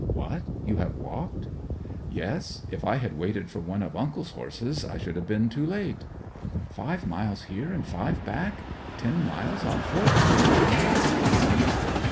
'What you have walked?' 'Yes. If I had waited for one of uncle's horses I should have been too late.' 'Five miles here and five back ten miles on foot merely to dance!'